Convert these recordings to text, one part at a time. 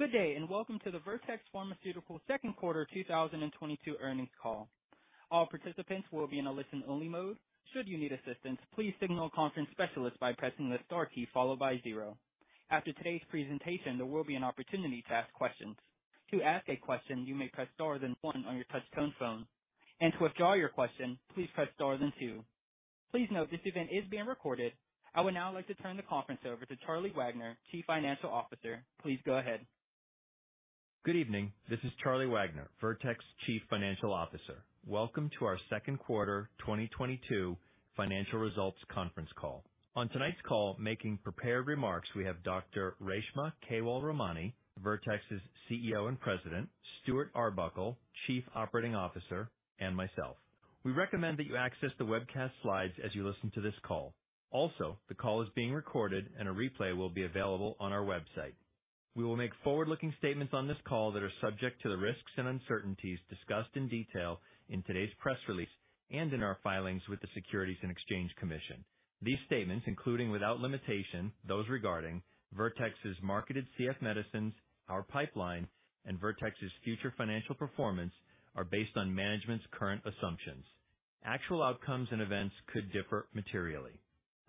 Good day, and welcome to the Vertex Pharmaceuticals second quarter 2022 earnings call. All participants will be in a listen-only mode. Should you need assistance, please signal a conference specialist by pressing the star key followed by zero. After today's presentation, there will be an opportunity to ask questions. To ask a question, you may press star then one on your touchtone phone, and to withdraw your question, please press star then two. Please note this event is being recorded. I would now like to turn the conference over to Charles Wagner, Chief Financial Officer. Please go ahead. Good evening. This is Charles Wagner, Vertex Chief Financial Officer. Welcome to our second quarter 2022 financial results conference call. On tonight's call, making prepared remarks, we have Dr Reshma Kewalramani, Vertex's CEO and President, Stuart Arbuckle, Chief Operating Officer, and myself. We recommend that you access the webcast slides as you listen to this call. Also, the call is being recorded and a replay will be available on our website. We will make forward-looking statements on this call that are subject to the risks and uncertainties discussed in detail in today's press release and in our filings with the Securities and Exchange Commission. These statements, including without limitation, those regarding Vertex's marketed CF medicines, our pipeline, and Vertex's future financial performance, are based on management's current assumptions. Actual outcomes and events could differ materially.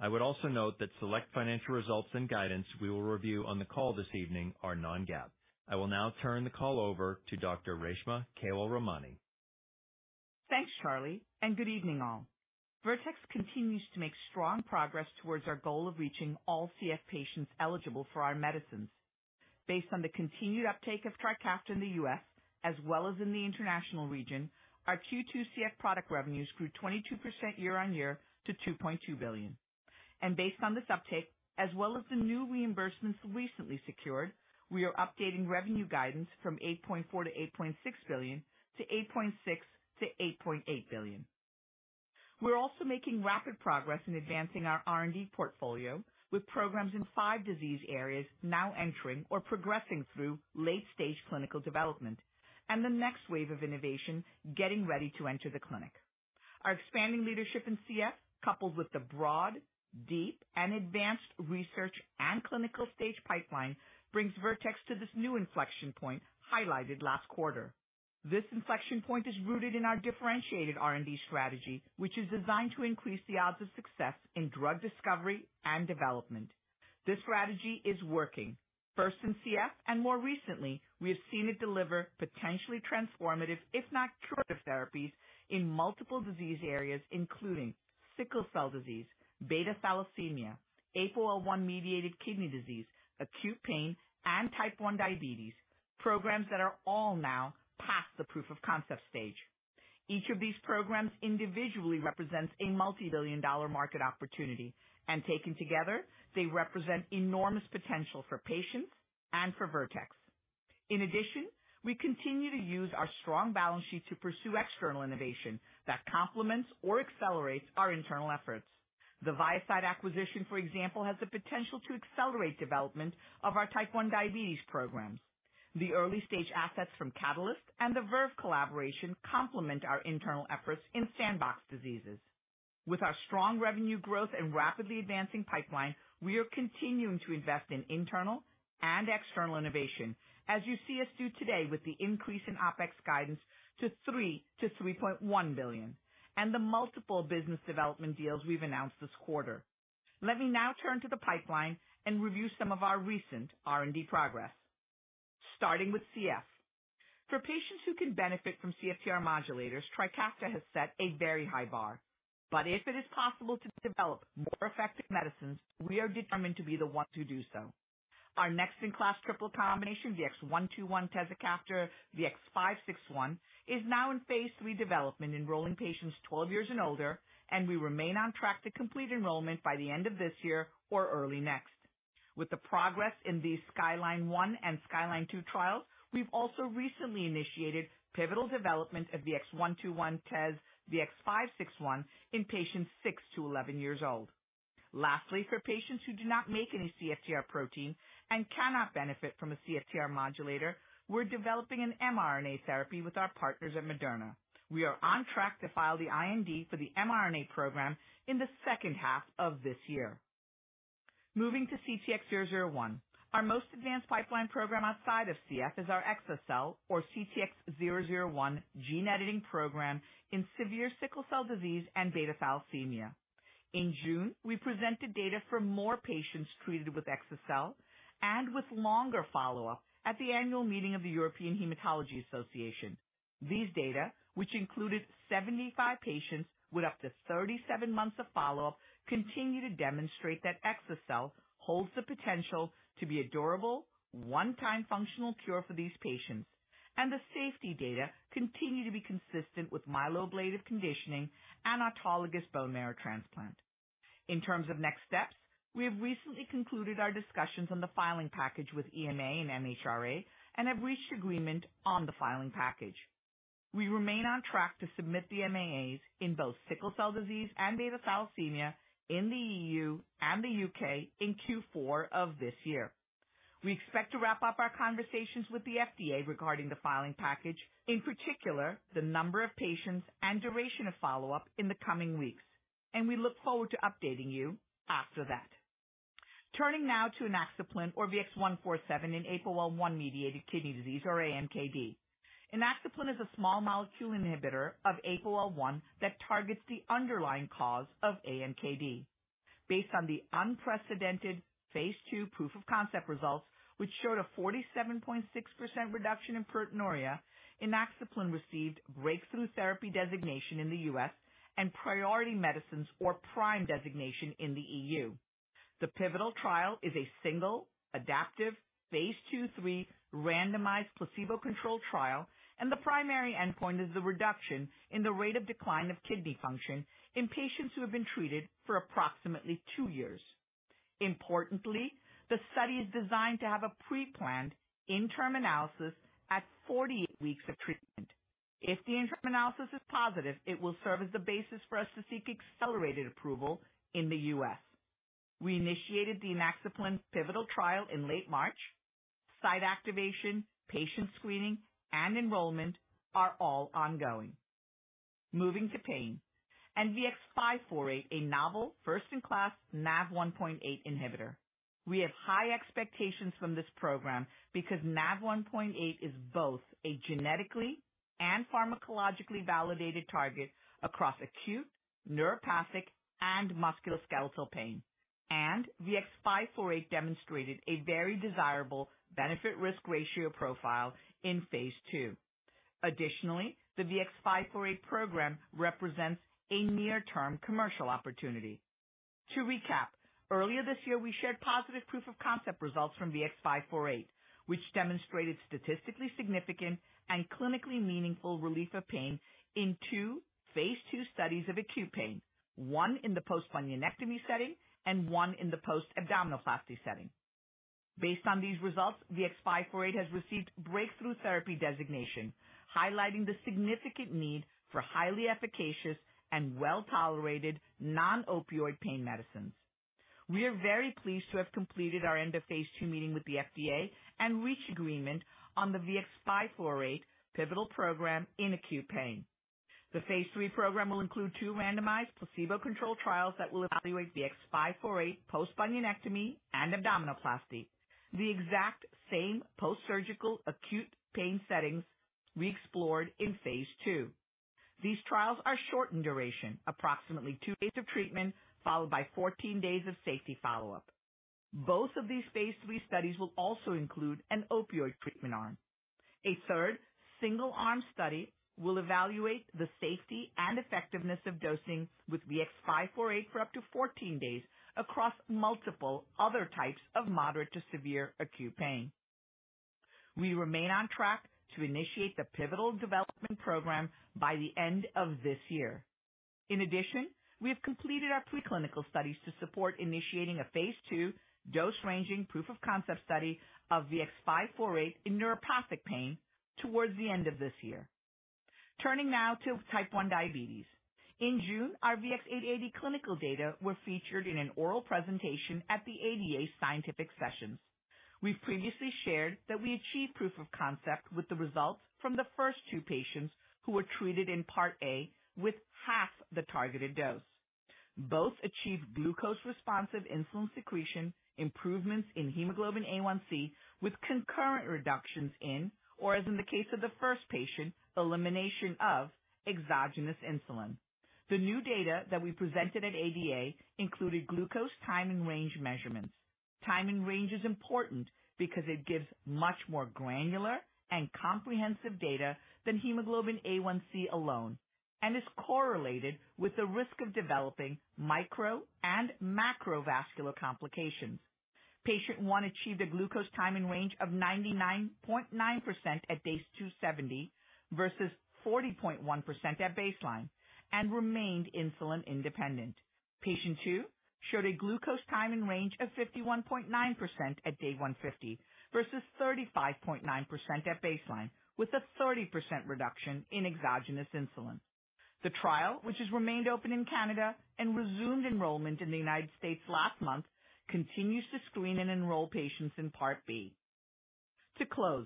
I would also note that select financial results and guidance we will review on the call this evening are non-GAAP. I will now turn the call over to Dr Reshma Kewalramani. Thanks, Charlie, and good evening all. Vertex continues to make strong progress towards our goal of reaching all CF patients eligible for our medicines. Based on the continued uptake of TRIKAFTA in the U.S. as well as in the international region, our Q2 CF product revenues grew 22% year-over-year to $2.2 billion. Based on this uptake, as well as the new reimbursements recently secured, we are updating revenue guidance from $8.4-$8.6 billion to $8.6-$8.8 billion. We're also making rapid progress in advancing our R&D portfolio, with programs in five disease areas now entering or progressing through late-stage clinical development, and the next wave of innovation getting ready to enter the clinic. Our expanding leadership in CF, coupled with the broad, deep, and advanced research and clinical stage pipeline, brings Vertex to this new inflection point highlighted last quarter. This inflection point is rooted in our differentiated R&D strategy, which is designed to increase the odds of success in drug discovery and development. This strategy is working. First in CF and more recently, we have seen it deliver potentially transformative, if not curative therapies in multiple disease areas including sickle cell disease, beta thalassemia, APOL1-mediated kidney disease, acute pain, and type 1 diabetes, programs that are all now past the proof of concept stage. Each of these programs individually represents a multi-billion dollar market opportunity, and taken together, they represent enormous potential for patients and for Vertex. In addition, we continue to use our strong balance sheet to pursue external innovation that complements or accelerates our internal efforts. The ViaCyte acquisition, for example, has the potential to accelerate development of our type 1 diabetes programs. The early-stage assets from Catalyst and the Verve collaboration complement our internal efforts in sandbox diseases. With our strong revenue growth and rapidly advancing pipeline, we are continuing to invest in internal and external innovation as you see us do today with the increase in OpEx guidance to $3-$3.1 billion, and the multiple business development deals we've announced this quarter. Let me now turn to the pipeline and review some of our recent R&D progress. Starting with CF. For patients who can benefit from CFTR modulators, TRIKAFTA has set a very high bar. If it is possible to develop more effective medicines, we are determined to be the ones who do so. Our next in-class triple combination VX-121 tezacaftor VX-561 is now in phase 3 development, enrolling patients 12 years and older, and we remain on track to complete enrollment by the end of this year or early next. With the progress in these SKYLINE-1 and SKYLINE-2 trials, we've also recently initiated pivotal development of VX-121 tez VX-561 in patients six to 11 years old. Lastly, for patients who do not make any CFTR protein and cannot benefit from a CFTR modulator, we're developing an mRNA therapy with our partners at Moderna. We are on track to file the IND for the mRNA program in the second half of this year. Moving to CTX001. Our most advanced pipeline program outside of CF is our exa-cel or CTX001 gene editing program in severe sickle cell disease and beta thalassemia. In June, we presented data for more patients treated with exa-cel and with longer follow-up at the annual meeting of the European Hematology Association. These data, which included 75 patients with up to 37 months of follow-up, continue to demonstrate that exa-cel holds the potential to be a durable one-time functional cure for these patients. The safety data continue to be consistent with myeloablative conditioning and autologous bone marrow transplant. In terms of next steps, we have recently concluded our discussions on the filing package with EMA and MHRA and have reached agreement on the filing package. We remain on track to submit the MAAs in both sickle cell disease and beta thalassemia in the E.U. And the U.K. in Q4 of this year. We expect to wrap up our conversations with the FDA regarding the filing package, in particular, the number of patients and duration of follow-up in the coming weeks. We look forward to updating you after that. Turning now to inaxaplin or VX-147 in APOL1-mediated kidney disease or AMKD. Inaxaplin is a small molecule inhibitor of APOL1 that targets the underlying cause of AMKD. Based on the unprecedented phase 2 proof-of-concept results, which showed a 47.6% reduction in proteinuria, inaxaplin received breakthrough therapy designation in the U.S. and PRIority MEdicines or PRIME designation in the E.U. The pivotal trial is a single adaptive phase 2/3 randomized placebo-controlled trial, and the primary endpoint is the reduction in the rate of decline of kidney function in patients who have been treated for approximately two years. Importantly, the study is designed to have a pre-planned interim analysis at 48 weeks of treatment. If the interim analysis is positive, it will serve as the basis for us to seek accelerated approval in the U.S. We initiated the inaxaplin pivotal trial in late March. Site activation, patient screening, and enrollment are all ongoing. Moving to pain and VX-548, a novel first-in-class NaV1.8 inhibitor. We have high expectations from this program because NaV1.8 is both a genetically and pharmacologically validated target across acute, neuropathic, and musculoskeletal pain. VX-548 demonstrated a very desirable benefit-risk ratio profile in phase 2. Additionally, the VX-548 program represents a near-term commercial opportunity. To recap, earlier this year we shared positive proof of concept results from VX-548, which demonstrated statistically significant and clinically meaningful relief of pain in two phase 2 studies of acute pain, one in the post-bunionectomy setting and one in the post-abdominoplasty setting. Based on these results, VX-548 has received Breakthrough Therapy designation, highlighting the significant need for highly efficacious and well-tolerated non-opioid pain medicines. We are very pleased to have completed our end of phase 2 meeting with the FDA and reached agreement on the VX-548 pivotal program in acute pain. The phase 3 program will include two randomized placebo-controlled trials that will evaluate VX-548 post-bunionectomy and abdominoplasty, the exact same post-surgical acute pain settings we explored in phase 2. These trials are short in duration, approximately 2 days of treatment followed by 14 days of safety follow-up. Both of these phase 3 studies will also include an opioid treatment arm. A third single-arm study will evaluate the safety and effectiveness of dosing with VX-548 for up to 14 days across multiple other types of moderate to severe acute pain. We remain on track to initiate the pivotal development program by the end of this year. In addition, we have completed our preclinical studies to support initiating a phase 2 dose-ranging proof of concept study of VX-548 in neuropathic pain towards the end of this year. Turning now to type 1 diabetes. In June, our VX-880 clinical data were featured in an oral presentation at the ADA Scientific Sessions. We've previously shared that we achieved proof of concept with the results from the first two patients who were treated in Part A with half the targeted dose. Both achieved glucose responsive insulin secretion, improvements in hemoglobin A1C with concurrent reductions in, or as in the case of the first patient, elimination of exogenous insulin. The new data that we presented at ADA included glucose time and range measurements. Time and range is important because it gives much more granular and comprehensive data than hemoglobin A1c alone and is correlated with the risk of developing micro and macrovascular complications. Patient One achieved a glucose time and range of 99.9% at day 270 versus 40.1% at baseline and remained insulin-independent. Patient two showed a glucose time in range of 51.9% at day 150 versus 35.9% at baseline, with a 30% reduction in exogenous insulin. The trial, which has remained open in Canada and resumed enrollment in the United States last month, continues to screen and enroll patients in Part B. To close,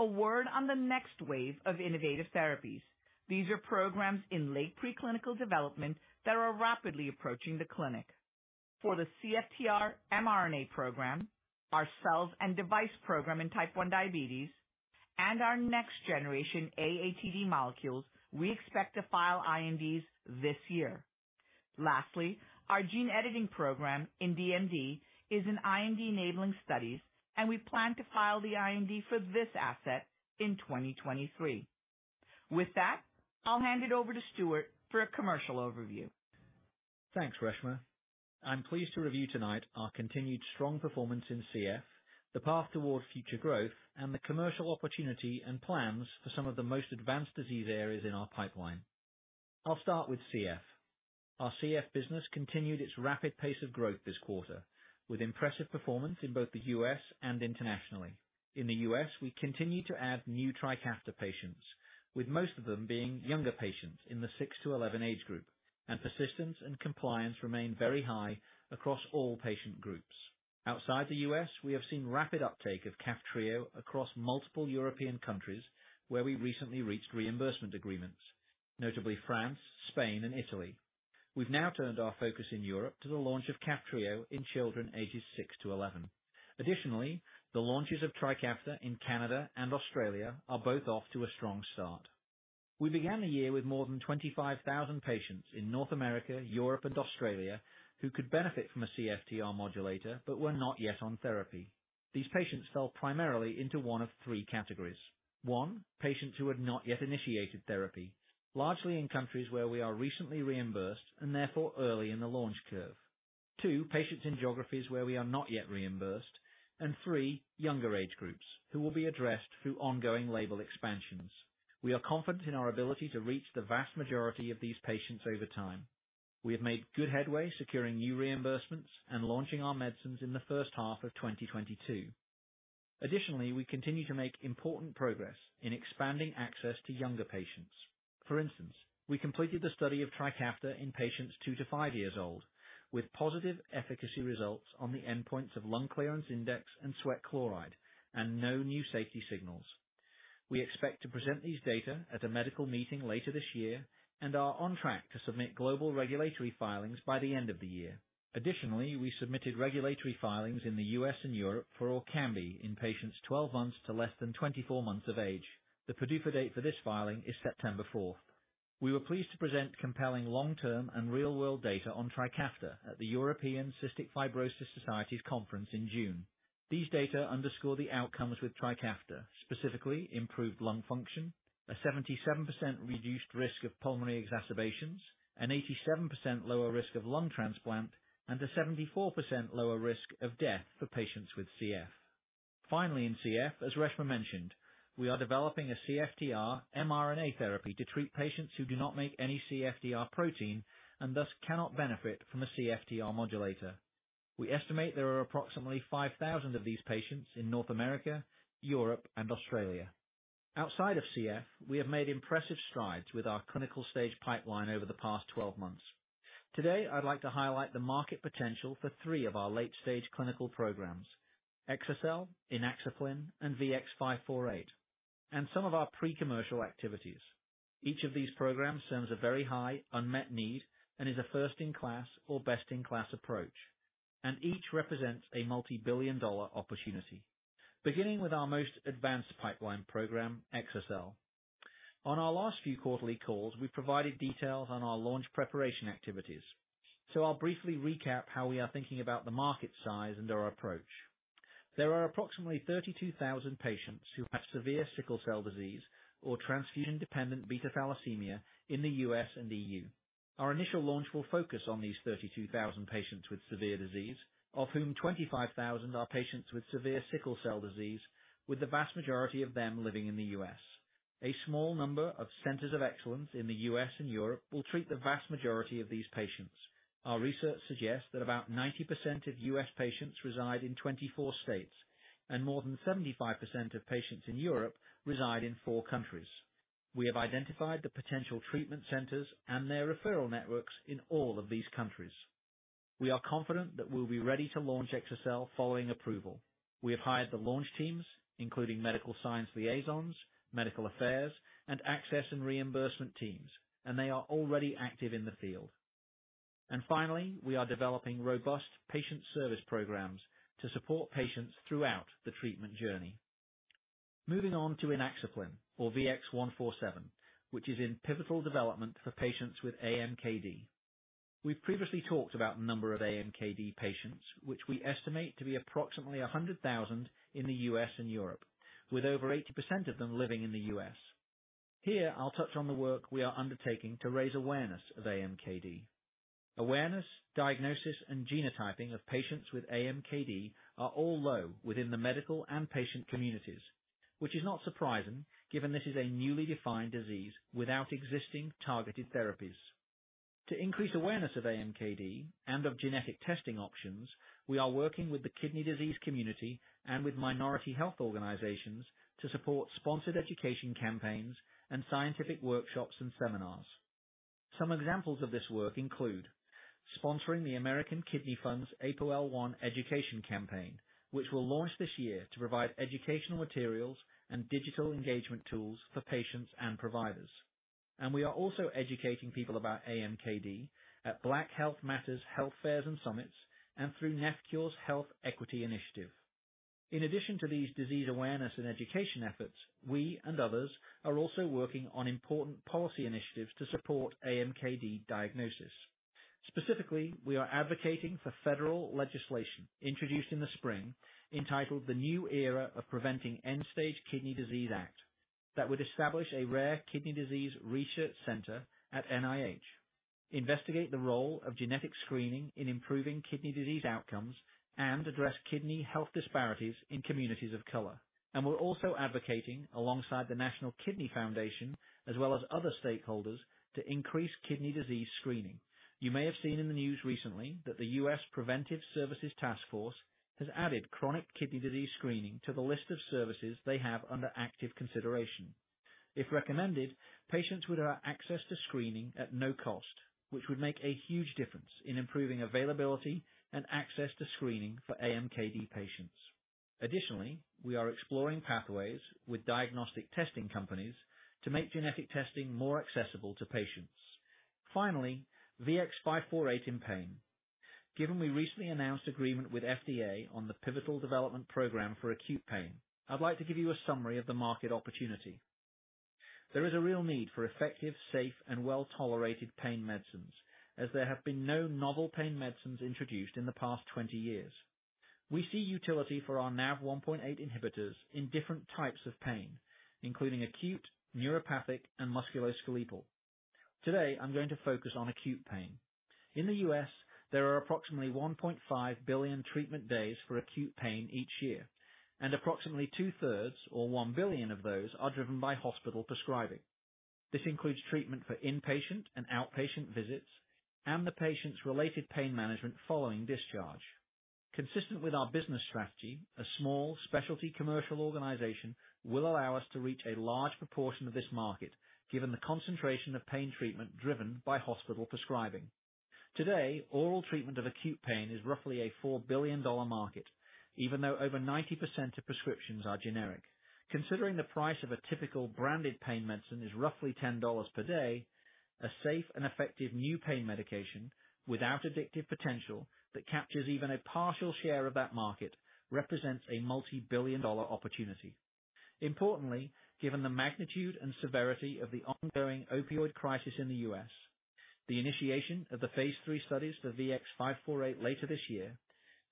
a word on the next wave of innovative therapies. These are programs in late preclinical development that are rapidly approaching the clinic. For the CFTR mRNA program, our cells and device program in type 1 diabetes, and our next generation AATD molecules, we expect to file INDs this year. Lastly, our gene editing program in DMD is in IND-enabling studies, and we plan to file the IND for this asset in 2023. With that, I'll hand it over to Stuart for a commercial overview. Thanks, Reshma. I'm pleased to review tonight our continued strong performance in CF, the path towards future growth, and the commercial opportunity and plans for some of the most advanced disease areas in our pipeline. I'll start with CF. Our CF business continued its rapid pace of growth this quarter with impressive performance in both the U.S. And internationally. In the US, we continue to add new TRIKAFTA patients, with most of them being younger patients in the six to 11 age group, and persistence and compliance remain very high across all patient groups. Outside the U.S., we have seen rapid uptake of Kaftrio across multiple European countries where we recently reached reimbursement agreements, notably France, Spain, and Italy. We've now turned our focus in Europe to the launch of Kaftrio in children ages six to 11. Additionally, the launches of TRIKAFTA in Canada and Australia are both off to a strong start. We began the year with more than 25,000 patients in North America, Europe, and Australia who could benefit from a CFTR modulator but were not yet on therapy. These patients fell primarily into one of three categories. One, patients who had not yet initiated therapy, largely in countries where we are recently reimbursed and therefore early in the launch curve. Two, patients in geographies where we are not yet reimbursed. And three, younger age groups who will be addressed through ongoing label expansions. We are confident in our ability to reach the vast majority of these patients over time. We have made good headway securing new reimbursements and launching our medicines in the first half of 2022. We continue to make important progress in expanding access to younger patients. For instance, we completed the study of TRIKAFTA in patients two to five years old with positive efficacy results on the endpoints of lung clearance index and sweat chloride, and no new safety signals. We expect to present these data at a medical meeting later this year and are on track to submit global regulatory filings by the end of the year. Additionally, we submitted regulatory filings in the U.S. and Europe for ORKAMBI in patients 12 months to less than 24 months of age. The PDUFA date for this filing is September fourth. We were pleased to present compelling long-term and real-world data on TRIKAFTA at the European Cystic Fibrosis Society's conference in June. These data underscore the outcomes with TRIKAFTA, specifically improved lung function, a 77% reduced risk of pulmonary exacerbations, an 87% lower risk of lung transplant, and a 74% lower risk of death for patients with CF. Finally, in CF, as Reshma mentioned, we are developing a CFTR mRNA therapy to treat patients who do not make any CFTR protein and thus cannot benefit from a CFTR modulator. We estimate there are approximately 5,000 of these patients in North America, Europe, and Australia. Outside of CF, we have made impressive strides with our clinical stage pipeline over the past 12 months. Today, I'd like to highlight the market potential for three of our late-stage clinical programs, exa-cel, inaxaplin, and VX-548, and some of our pre-commercial activities. Each of these programs serves a very high unmet need and is a first-in-class or best-in-class approach, and each represents a multibillion-dollar opportunity. Beginning with our most advanced pipeline program, exa-cel. On our last few quarterly calls, we provided details on our launch preparation activities, so I'll briefly recap how we are thinking about the market size and our approach. There are approximately 32,000 patients who have severe sickle cell disease or transfusion-dependent beta thalassemia in the U.S. and E.U. Our initial launch will focus on these 32,000 patients with severe disease, of whom 25,000 are patients with severe sickle cell disease, with the vast majority of them living in the U.S. A small number of centers of excellence in the U.S. and Europe will treat the vast majority of these patients. Our research suggests that about 90% of U.S. patients reside in 24 states, and more than 75% of patients in Europe reside in four countries. We have identified the potential treatment centers and their referral networks in all of these countries. We are confident that we'll be ready to launch exa-cel following approval. We have hired the launch teams, including medical science liaisons, medical affairs, and access and reimbursement teams, and they are already active in the field. Finally, we are developing robust patient service programs to support patients throughout the treatment journey. Moving on to inaxaplin or VX-147, which is in pivotal development for patients with AMKD. We've previously talked about the number of AMKD patients, which we estimate to be approximately 100,000 in the U.S. and Europe, with over 80% of them living in the U.S. Here I'll touch on the work we are undertaking to raise awareness of AMKD. Awareness, diagnosis, and genotyping of patients with AMKD are all low within the medical and patient communities, which is not surprising given this is a newly defined disease without existing targeted therapies. To increase awareness of AMKD and of genetic testing options, we are working with the kidney disease community and with minority health organizations to support sponsored education campaigns and scientific workshops and seminars. Some examples of this work include sponsoring the American Kidney Fund's APOL1 Education Campaign, which will launch this year to provide educational materials and digital engagement tools for patients and providers. We are also educating people about AMKD at Black Health Matters health fairs and summits, and through NephCure's Health Equity Initiative. In addition to these disease awareness and education efforts, we and others are also working on important policy initiatives to support AMKD diagnosis. Specifically, we are advocating for federal legislation introduced in the spring entitled The New Era of Preventing End-Stage Kidney Disease Act that would establish a rare kidney disease research center at NIH, investigate the role of genetic screening in improving kidney disease outcomes, and address kidney health disparities in communities of color. We're also advocating alongside the National Kidney Foundation as well as other stakeholders to increase kidney disease screening. You may have seen in the news recently that the U.S. Preventive Services Task Force has added chronic kidney disease screening to the list of services they have under active consideration. If recommended, patients would have access to screening at no cost, which would make a huge difference in improving availability and access to screening for AMKD patients. Additionally, we are exploring pathways with diagnostic testing companies to make genetic testing more accessible to patients. Finally, VX-548 in pain. Given we recently announced agreement with FDA on the pivotal development program for acute pain, I'd like to give you a summary of the market opportunity. There is a real need for effective, safe, and well-tolerated pain medicines as there have been no novel pain medicines introduced in the past 20 years. We see utility for our NaV1.8 inhibitors in different types of pain, including acute, neuropathic, and musculoskeletal. Today, I'm going to focus on acute pain. In the U.S., there are approximately 1.5 billion treatment days for acute pain each year, and approximately two-thirds or 1 billion of those are driven by hospital prescribing. This includes treatment for inpatient and outpatient visits and the patient's related pain management following discharge. Consistent with our business strategy, a small specialty commercial organization will allow us to reach a large proportion of this market, given the concentration of pain treatment driven by hospital prescribing. Today, oral treatment of acute pain is roughly a $4 billion market, even though over 90% of prescriptions are generic. Considering the price of a typical branded pain medicine is roughly $10 per day, a safe and effective new pain medication without addictive potential that captures even a partial share of that market represents a multibillion-dollar opportunity. Importantly, given the magnitude and severity of the ongoing opioid crisis in the U.S., the initiation of the phase 3 studies for VX-548 later this year,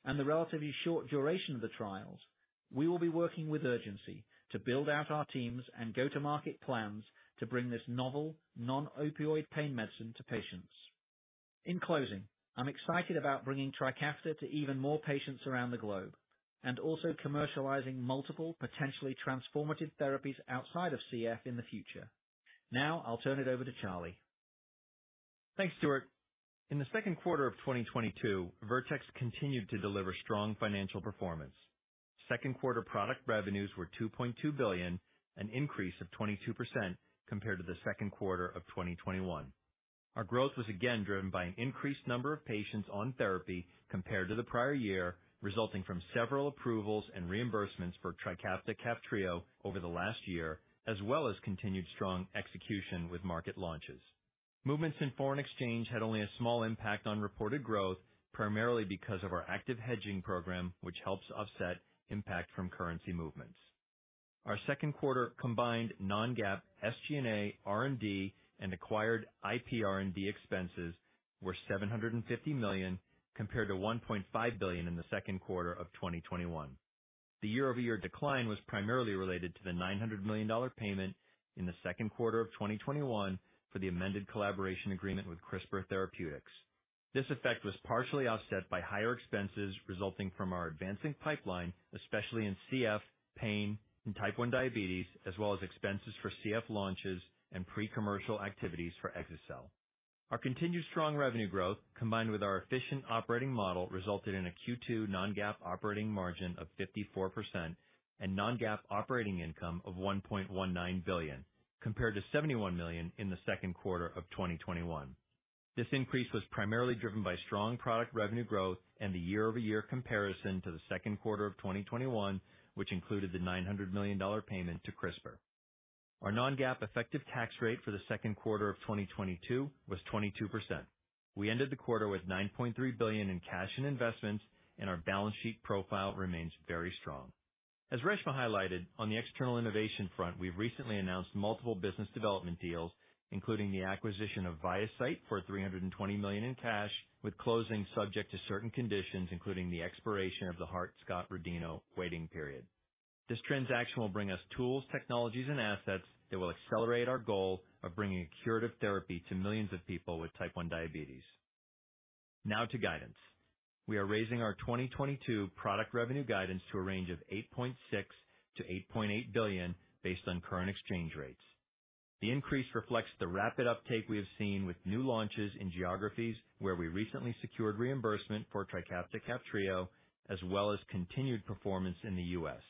and the relatively short duration of the trials, we will be working with urgency to build out our teams and go-to-market plans to bring this novel non-opioid pain medicine to patients. In closing, I'm excited about bringing TRIKAFTA to even more patients around the globe and also commercializing multiple potentially transformative therapies outside of CF in the future. Now I'll turn it over to Charlie. Thanks, Stuart. In the second quarter of 2022, Vertex continued to deliver strong financial performance. Second quarter product revenues were $2.2 billion, an increase of 22% compared to the second quarter of 2021. Our growth was again driven by an increased number of patients on therapy compared to the prior year, resulting from several approvals and reimbursements for TRIKAFTA Kaftrio over the last year, as well as continued strong execution with market launches. Movements in foreign exchange had only a small impact on reported growth, primarily because of our active hedging program, which helps offset impact from currency movements. Our second quarter combined non-GAAP, SG&A, R&D, and acquired IP R&D expenses were $750 million compared to $1.5 billion in the second quarter of 2021. The year-over-year decline was primarily related to the $900 million payment in the second quarter of 2021 for the amended collaboration agreement with CRISPR Therapeutics. This effect was partially offset by higher expenses resulting from our advancing pipeline, especially in CF, pain, and type 1 diabetes, as well as expenses for CF launches and pre-commercial activities for exa-cel. Our continued strong revenue growth, combined with our efficient operating model, resulted in a Q2 non-GAAP operating margin of 54% and non-GAAP operating income of $1.19 billion, compared to $71 million in the second quarter of 2021. This increase was primarily driven by strong product revenue growth and the year-over-year comparison to the second quarter of 2021, which included the $900 million payment to CRISPR. Our non-GAAP effective tax rate for the second quarter of 2022 was 22%. We ended the quarter with $9.3 billion in cash and investments, and our balance sheet profile remains very strong. As Reshma highlighted, on the external innovation front, we've recently announced multiple business development deals, including the acquisition of ViaCyte for $320 million in cash, with closing subject to certain conditions, including the expiration of the Hart-Scott-Rodino waiting period. This transaction will bring us tools, technologies, and assets that will accelerate our goal of bringing a curative therapy to millions of people with type 1 diabetes. Now to guidance. We are raising our 2022 product revenue guidance to a range of $8.6 billion-$8.8 billion based on current exchange rates. The increase reflects the rapid uptake we have seen with new launches in geographies where we recently secured reimbursement for TRIKAFTA Kaftrio, as well as continued performance in the U.S.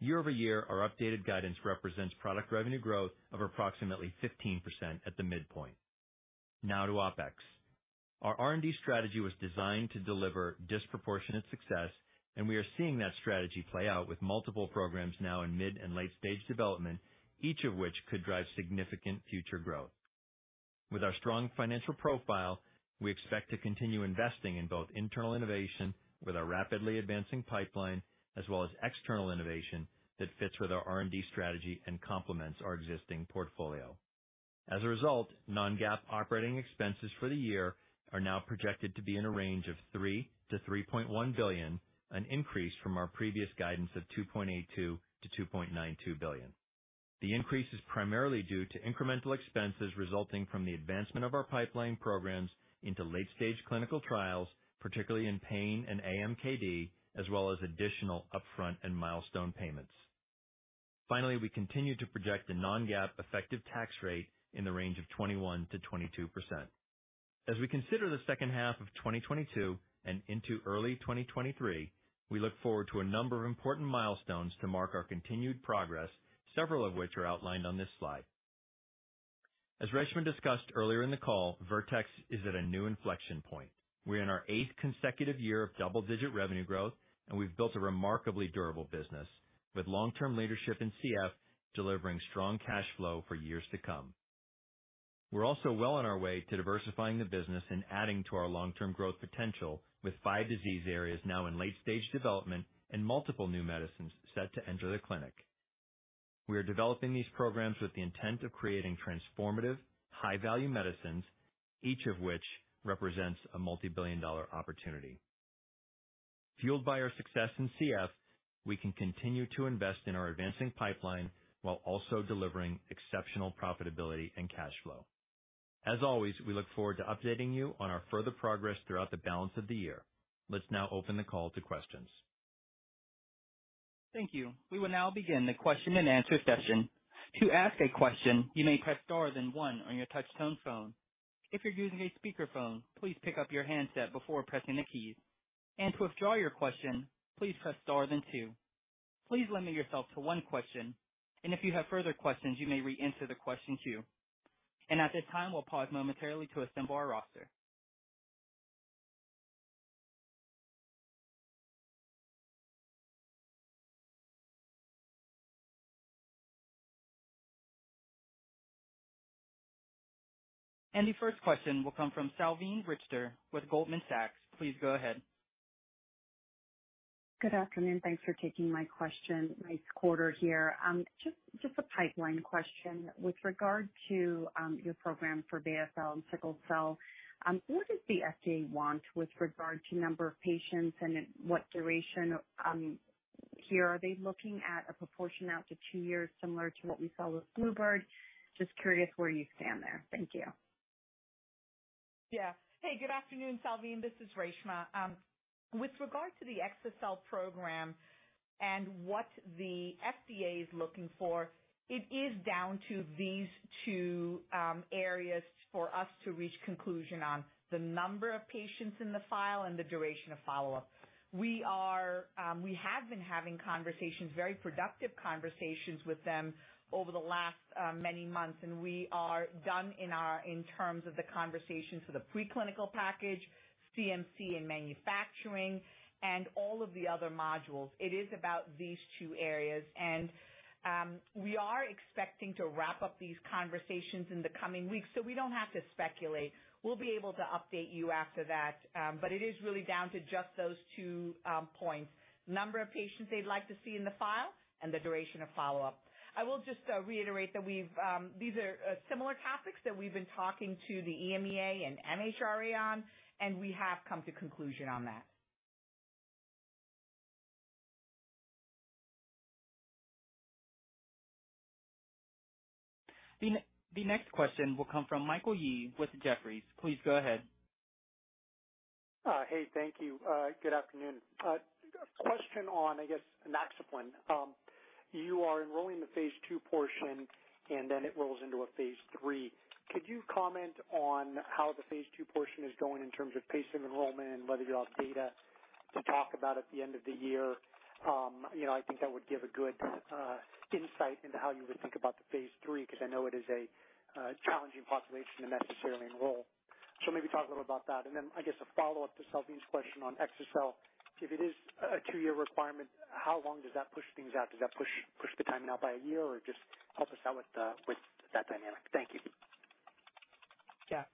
Year-over-year, our updated guidance represents product revenue growth of approximately 15% at the midpoint. Now to OpEx. Our R&D strategy was designed to deliver disproportionate success, and we are seeing that strategy play out with multiple programs now in mid- and late-stage development, each of which could drive significant future growth. With our strong financial profile, we expect to continue investing in both internal innovation with our rapidly advancing pipeline as well as external innovation that fits with our R&D strategy and complements our existing portfolio. As a result, non-GAAP operating expenses for the year are now projected to be in a range of $3 billion-$3.1 billion, an increase from our previous guidance of $2.82 billion-$2.92 billion. The increase is primarily due to incremental expenses resulting from the advancement of our pipeline programs into late-stage clinical trials, particularly in pain and AMKD, as well as additional upfront and milestone payments. Finally, we continue to project a non-GAAP effective tax rate in the range of 21%-22%. As we consider the second half of 2022 and into early 2023, we look forward to a number of important milestones to mark our continued progress, several of which are outlined on this slide. As Reshma discussed earlier in the call, Vertex is at a new inflection point. We're in our eighth consecutive year of double-digit revenue growth, and we've built a remarkably durable business with long-term leadership in CF, delivering strong cash flow for years to come. We're also well on our way to diversifying the business and adding to our long-term growth potential, with five disease areas now in late-stage development and multiple new medicines set to enter the clinic. We are developing these programs with the intent of creating transformative, high-value medicines, each of which represents a multibillion-dollar opportunity. Fueled by our success in CF, we can continue to invest in our advancing pipeline while also delivering exceptional profitability and cash flow. As always, we look forward to updating you on our further progress throughout the balance of the year. Let's now open the call to questions. Thank you. We will now begin the question-and-answer session. To ask a question, you may press star then one on your touchtone phone. If you're using a speakerphone, please pick up your handset before pressing the key. To withdraw your question, please press star then two. Please limit yourself to one question, and if you have further questions, you may reenter the question queue. At this time, we'll pause momentarily to assemble our roster. The first question will come from Salveen Richter with Goldman Sachs. Please go ahead. Good afternoon. Thanks for taking my question. Nice quarter here. Just a pipeline question. With regard to your program for exa-cel and sickle cell, what does the FDA want with regard to number of patients and then what duration here? Are they looking at a proportion out to two years similar to what we saw with bluebird bio? Just curious where you stand there. Thank you. Yeah. Hey, good afternoon, Salveen. This is Reshma. With regard to the exa-cel program and what the FDA is looking for, it is down to these two areas for us to reach conclusion on the number of patients in the file and the duration of follow-up. We have been having conversations, very productive conversations with them over the last many months, and we are done in terms of the conversations for the preclinical package, CMC and manufacturing, and all of the other modules. It is about these two areas, and we are expecting to wrap up these conversations in the coming weeks, so we don't have to speculate. We'll be able to update you after that. It is really down to just those two points, number of patients they'd like to see in the file and the duration of follow-up. I will just reiterate that these are similar topics that we've been talking to the EMA and MHRA on, and we have come to conclusion on that. The next question will come from Michael Yee with Jefferies. Please go ahead. Hey, thank you. Good afternoon. Question on, I guess, inaxaplin. You are enrolling the phase 2 portion and then it rolls into a phase 3. Could you comment on how the phase 2 portion is going in terms of patient enrollment and whether you'll have data to talk about at the end of the year? You know, I think that would give a good insight into how you would think about the phase 3, 'cause I know it is a challenging population to necessarily enroll. Maybe talk a little about that. I guess a follow-up to Salveen's question on exa-cel. If it is a two-year requirement, how long does that push things out? Does that push the timeline out by a year or just help us out with that dynamic? Thank you. Yeah.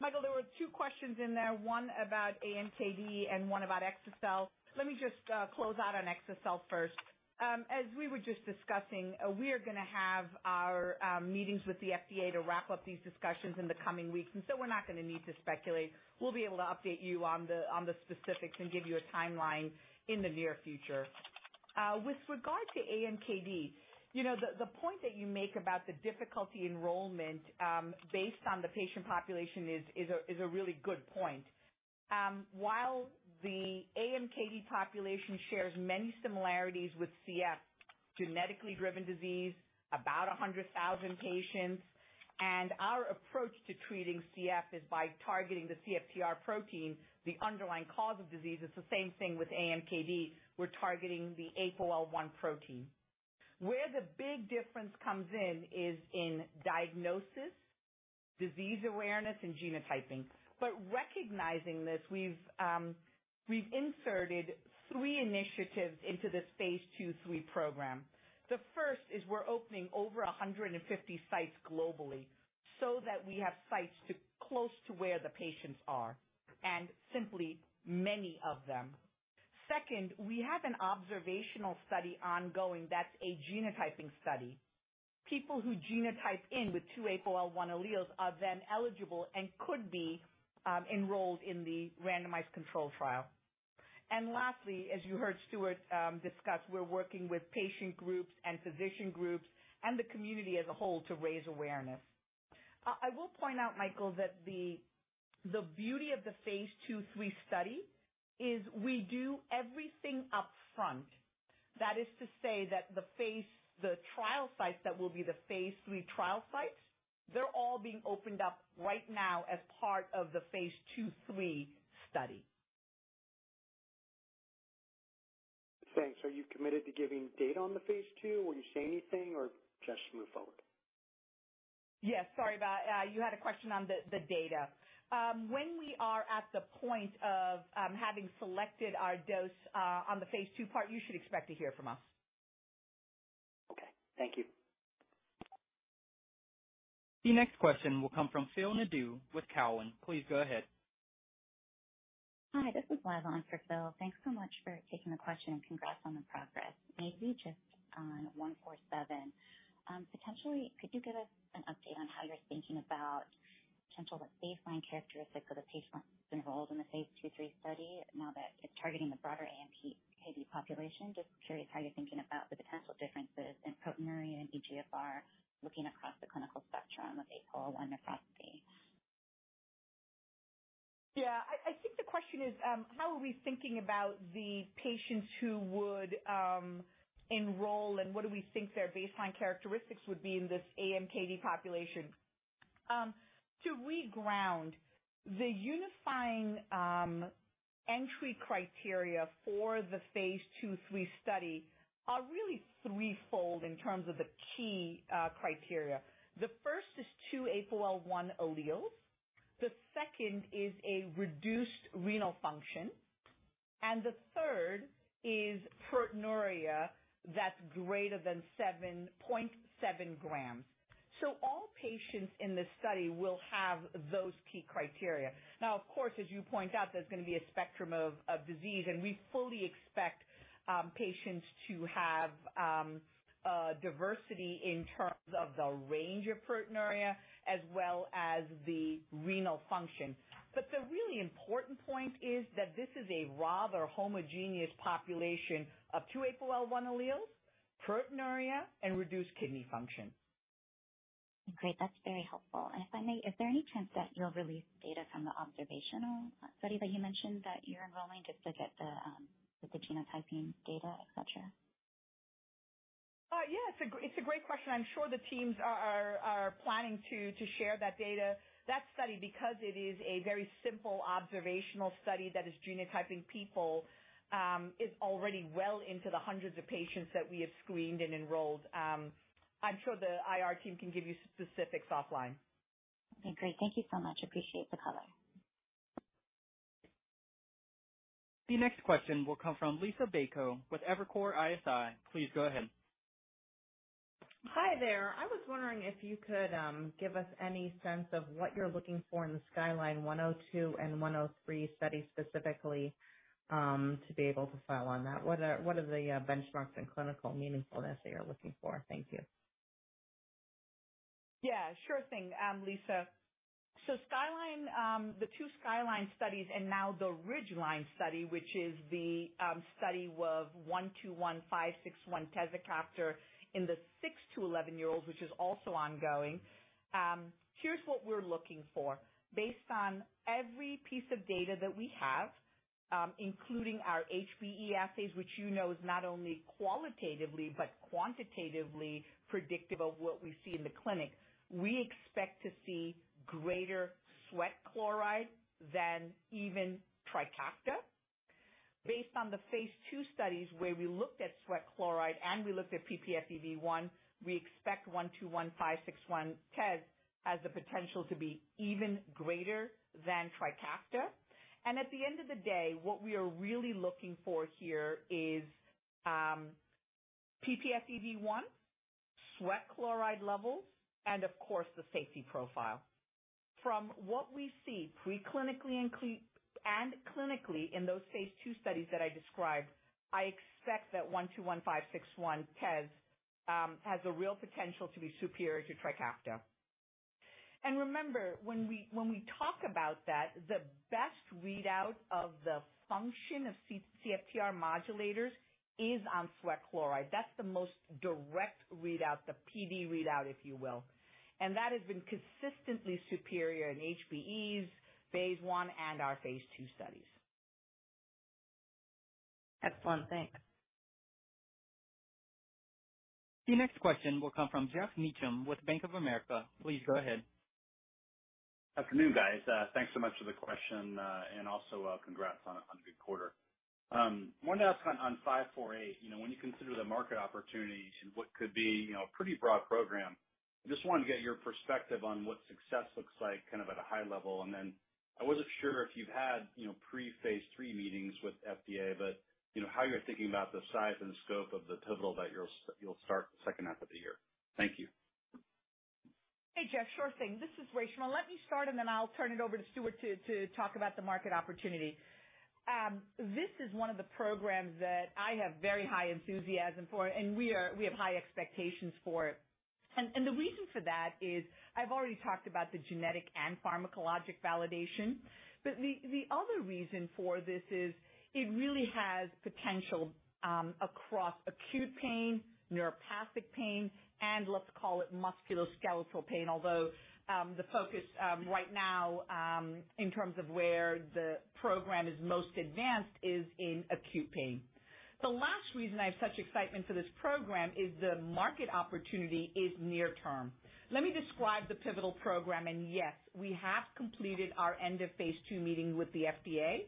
Michael, there were two questions in there, one about AMKD and one about exa-cel. Let me just close out on exa-cel first. As we were just discussing, we are gonna have our meetings with the FDA to wrap up these discussions in the coming weeks and so we're not gonna need to speculate. We'll be able to update you on the specifics and give you a timeline in the near future. With regard to AMKD, you know, the point that you make about the difficulty enrollment, based on the patient population is a really good point. While the AMKD population shares many similarities with CF, genetically driven disease, about 100,000 patients, and our approach to treating CF is by targeting the CFTR protein, the underlying cause of disease. It's the same thing with AMKD. We're targeting the APOL1 protein. Where the big difference comes in is in diagnosis, disease awareness, and genotyping. Recognizing this we've inserted three initiatives into this phase 2/3 program. The first is we're opening over 150 sites globally so that we have sites close to where the patients are, and simply many of them. Second, we have an observational study ongoing that's a genotyping study. People who genotype in with two APOL1 alleles are then eligible and could be enrolled in the randomized controlled trial. Lastly, as you heard Stuart discuss, we're working with patient groups and physician groups and the community as a whole to raise awareness. I will point out, Michael, that the beauty of the phase 2/3 study is we do everything up front. That is to say that the trial sites that will be the phase 3 trial sites, they're all being opened up right now as part of the phase 2/3 study. Thanks. Are you committed to giving data on the phase 2? Will you say anything or just move forward? Yes. Sorry about, you had a question on the data. When we are at the point of having selected our dose, on the phase 2 part, you should expect to hear from us. Okay. Thank you. The next question will come from Phil Nadeau with Cowen. Please go ahead. Hi, this is Lyla on for Phil. Thanks so much for taking the question, and congrats on the progress. Maybe just on VX-147, potentially could you give us an update on how you're thinking about potential, the baseline characteristics of the patients involved in the phase 2/3 study now that it's targeting the broader AMKD population? Just curious how you're thinking about the potential differences in proteinuria and eGFR looking across the clinical spectrum of APOL1 nephropathy. Yeah. I think the question is, how are we thinking about the patients who would enroll, and what do we think their baseline characteristics would be in this AMKD population? To reground, the unifying entry criteria for the phase two/three study are really threefold in terms of the key criteria. The first is two APOL1 alleles. The second is a reduced renal function, and the third is proteinuria that's greater than 7.7 grams. All patients in this study will have those key criteria. Now, of course, as you point out, there's gonna be a spectrum of disease, and we fully expect patients to have diversity in terms of the range of proteinuria as well as the renal function. The really important point is that this is a rather homogeneous population of two APOL1 alleles, proteinuria, and reduced kidney function. Great. That's very helpful. If I may, is there any chance that you'll release data from the observational study that you mentioned that you're enrolling just to get the, with the genotyping data, et cetera? Yeah, it's a great question. I'm sure the teams are planning to share that data. That study, because it is a very simple observational study that is genotyping people, is already well into the hundreds of patients that we have screened and enrolled. I'm sure the IR team can give you specifics offline. Okay, great. Thank you so much. Appreciate the color. The next question will come from Liisa Bayko with Evercore ISI. Please go ahead. Hi there. I was wondering if you could give us any sense of what you're looking for in the SKYLINE 102 and 103 studies specifically, to be able to file on that. What are the benchmarks and clinical meaningfulness that you're looking for? Thank you. Yeah, sure thing, Liisa. SKYLINE, the two SKYLINE studies and now the RIDGELINE study, which is the study of 121 561 tezacaftor in the 6- to 11-year-olds, which is also ongoing. Here's what we're looking for. Based on every piece of data that we have, including our HBE assays, which you know is not only qualitatively but quantitatively predictive of what we see in the clinic, we expect to see greater sweat chloride than even TRIKAFTA. Based on the phase 2 studies where we looked at sweat chloride and we looked at ppFEV1, we expect 121 561 tez has the potential to be even greater than TRIKAFTA. And at the end of the day, what we are really looking for here is ppFEV1, sweat chloride levels, and of course, the safety profile. From what we see preclinically and clinically in those phase two studies that I described, I expect that VX-121, VX-561, tezacaftor has a real potential to be superior to TRIKAFTA. Remember, when we talk about that, the best readout of the function of CFTR modulators is on sweat chloride. That's the most direct readout, the PD readout, if you will. That has been consistently superior in HBEs, phase one, and our phase two studies. Excellent. Thanks. The next question will come from Geoff Meacham with Bank of America. Please go ahead. Afternoon, guys. Thanks so much for the question, and also, congrats on a good quarter. I want to ask on VX-548. You know, when you consider the market opportunity to what could be, you know, a pretty broad program, just wanted to get your perspective on what success looks like kind of at a high level. I wasn't sure if you've had, you know, pre-phase 3 meetings with FDA, but you know, how you're thinking about the size and scope of the pivotal that you'll start the second half of the year. Thank you. Hey, Geoff. Sure thing. This is Reshma. Let me start, and then I'll turn it over to Stuart to talk about the market opportunity. This is one of the programs that I have very high enthusiasm for, and we have high expectations for it. The reason for that is I've already talked about the genetic and pharmacologic validation, but the other reason for this is it really has potential across acute pain, neuropathic pain, and let's call it musculoskeletal pain. Although the focus right now in terms of where the program is most advanced is in acute pain. The last reason I have such excitement for this program is the market opportunity is near term. Let me describe the pivotal program. Yes, we have completed our end of phase 2 meeting with the FDA,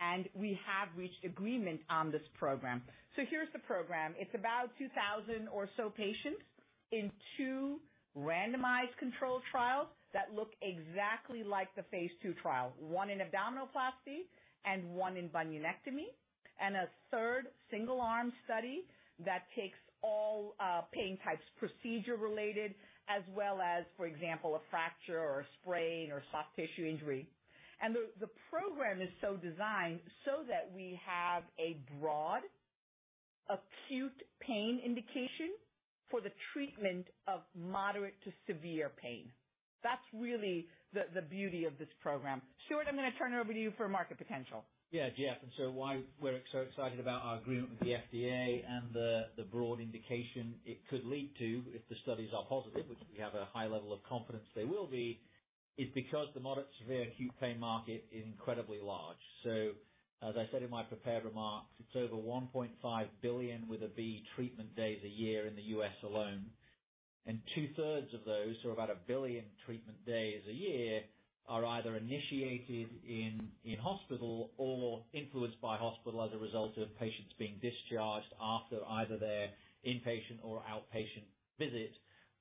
and we have reached agreement on this program. Here's the program. It's about 2,000 or so patients in 2 randomized controlled trials that look exactly like the phase 2 trial, one in abdominoplasty and one in bunionectomy, and a third single-arm study that takes all pain types, procedure related, as well as, for example, a fracture or a sprain or soft tissue injury. The program is so designed so that we have a broad acute pain indication for the treatment of moderate to severe pain. That's really the beauty of this program. Stuart, I'm gonna turn it over to you for market potential. Yeah, Geoff. Why we're so excited about our agreement with the FDA and the broad indication it could lead to if the studies are positive, which we have a high level of confidence they will be, is because the moderate severe acute pain market is incredibly large. As I said in my prepared remarks, it's over 1.5 billion, with a B, treatment days a year in the U.S. alone, and two-thirds of those, so about 1 billion treatment days a year, are either initiated in hospital or influenced by hospital as a result of patients being discharged after either their inpatient or outpatient visit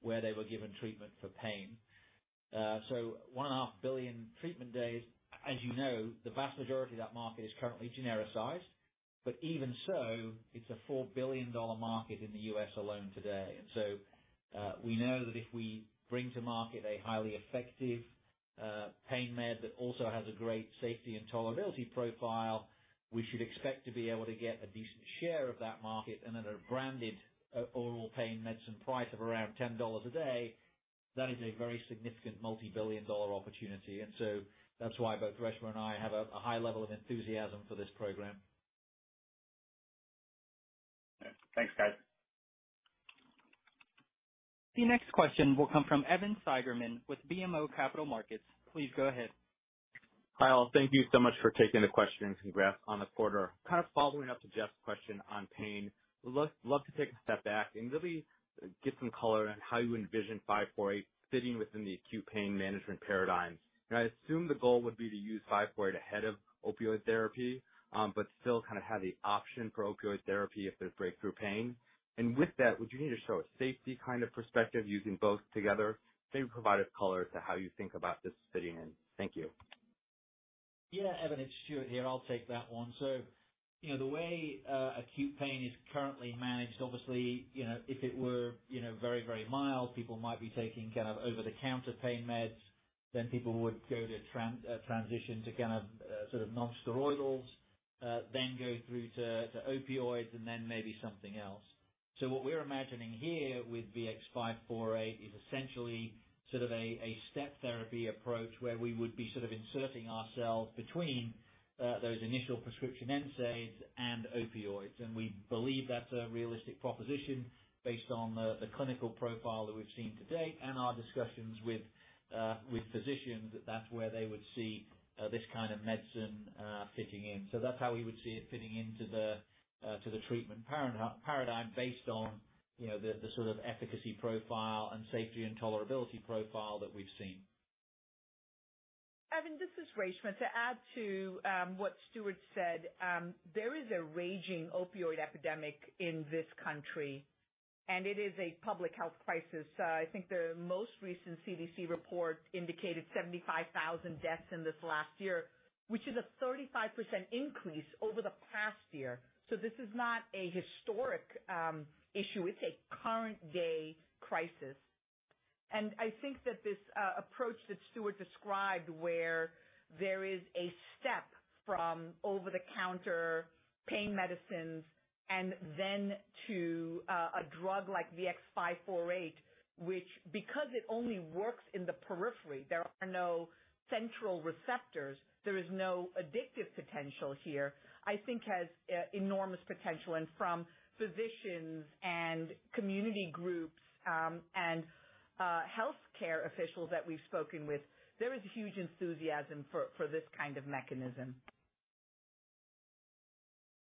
where they were given treatment for pain. One and a half billion treatment days. As you know, the vast majority of that market is currently genericized, but even so, it's a $4 billion market in the U.S. alone today. We know that if we bring to market a highly effective pain med that also has a great safety and tolerability profile, we should expect to be able to get a decent share of that market and at a branded oral pain medicine price of around $10 a day. That is a very significant multi-billion dollar opportunity. That's why both Reshma and I have a high level of enthusiasm for this program. Thanks, guys. The next question will come from Evan Seigerman with BMO Capital Markets. Please go ahead. Hi, all. Thank you so much for taking the questions. Congrats on the quarter. Kind of following up to Jeff's question on pain, would love to take a step back and really get some color on how you envision VX-548 fitting within the acute pain management paradigm. I assume the goal would be to use VX-548 ahead of opioid therapy, but still kind of have the option for opioid therapy if there's breakthrough pain. With that, would you need to show a safety kind of perspective using both together? Maybe provide us color as to how you think about this fitting in. Thank you. Yeah, Evan, it's Stuart here. I'll take that one. You know, the way acute pain is currently managed, obviously, you know, if it were very, very mild, people might be taking kind of over-the-counter pain meds, then people would go to transition to kind of sort of nonsteroidals, then go through to opioids and then maybe something else. What we're imagining here with VX-548 is essentially sort of a step therapy approach where we would be sort of inserting ourselves between those initial prescription NSAIDs and opioids. We believe that's a realistic proposition based on the clinical profile that we've seen to date and our discussions with physicians, that that's where they would see this kind of medicine fitting in. That's how we would see it fitting into the treatment paradigm based on, you know, the sort of efficacy profile and safety and tolerability profile that we've seen. Evan, this is Reshma. To add to what Stuart said, there is a raging opioid epidemic in this country, and it is a public health crisis. I think the most recent CDC report indicated 75,000 deaths in this last year, which is a 35% increase over the past year. This is not a historic issue, it's a current day crisis. I think that this approach that Stuart described where there is a step from over-the-counter pain medicines and then to a drug like VX-548, which because it only works in the periphery, there are no central receptors, there is no addictive potential here, I think has enormous potential. From physicians and community groups and healthcare officials that we've spoken with, there is huge enthusiasm for this kind of mechanism.